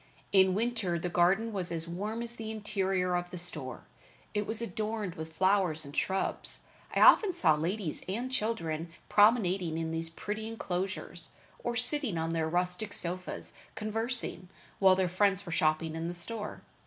In winter the garden was as warm as the interior of the store. It was adorned with flowers and shrubs. I often saw ladies and children promenading in these pretty inclosures, or sitting on their rustic sofas conversing, while their friends were shopping in the store.